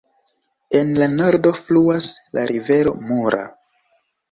En la nordo fluas la rivero Mura.